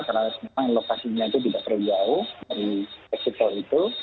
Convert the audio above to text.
karena memang lokasinya itu tidak terjauh dari eksipto itu